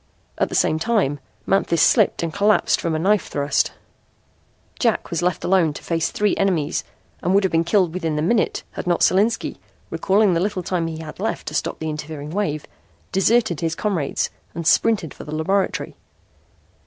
At the same time Manthis slipped and collapsed from a knife thrust. Jack was left alone to face three enemies and would have been killed within the minute had not Solinski, recalling the little time he had left to stop the interfering wave, deserted his comrades and sprinted for the laboratory.